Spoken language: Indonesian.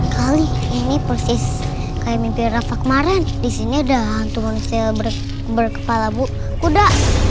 kali ini persis kayak mimpi rafa kemaren disini ada hantu manusia berkepala bu kuda